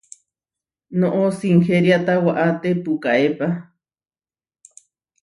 Noʼó sinheriáta waʼáte pukaépa.